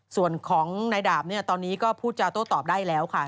ส่วนของนายดาบตอนนี้ก็พูดจาโต้ตอบได้แล้วค่ะ